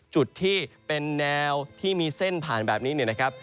จุดที่เป็นแนวที่มีเส้นผ่านแบบนี้เนี่ยนะครับ